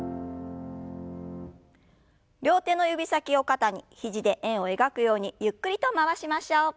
両手の指先を肩に肘で円を描くようにゆっくりと回しましょう。